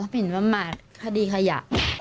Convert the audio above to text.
มีประมาทคดีขยะ